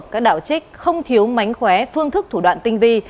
các đạo trích không thiếu mánh khóe phương thức thủ đoạn tinh vi